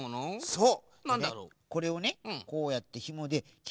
そう。